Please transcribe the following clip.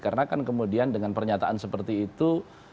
karena kan kemudian dengan pernyataan seperti itu